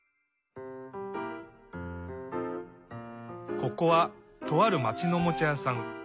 ここはとあるまちのおもちゃやさん。